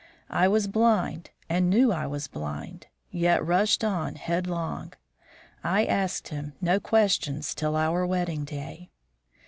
I was blind and knew I was blind, yet rushed on headlong. I asked him no questions till our wedding day.